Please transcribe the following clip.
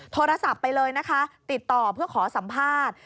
โทรศัพท์ไปเลยนะคะติดต่อเพื่อขอสัมภาษณ์